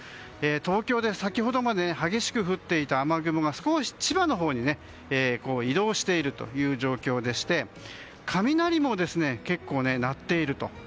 東京で先ほどまで激しく降っていた雨雲が少し千葉のほうに移動しているという状況で雷も結構鳴っていると。